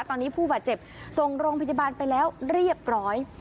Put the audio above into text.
ตอนนี้ผู้บาดเจ็บส่งโรงพยาบาลไปแล้วเรียบร้อย